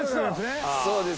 そうです。